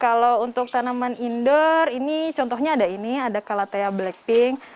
kalau untuk tanaman indoor ini contohnya ada ini ada kalatea blackpink